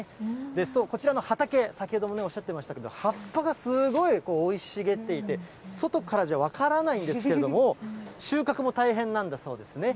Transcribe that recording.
こちらの畑、先ほどもおっしゃっていましたけれども、葉っぱがすごい生い茂っていて、外からじゃ分からないんですけれども、収穫も大変なんだそうですね。